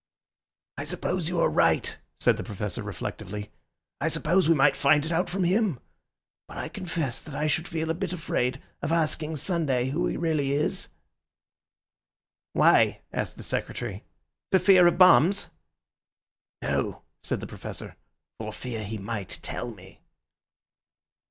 "I suppose you are right," said the Professor reflectively. "I suppose we might find it out from him; but I confess that I should feel a bit afraid of asking Sunday who he really is." "Why," asked the Secretary, "for fear of bombs?" "No," said the Professor, "for fear he might tell me."